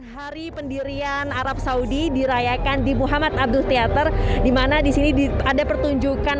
hari pendirian arab saudi dirayakan di muhammad abdul teater dimana disini ada pertunjukan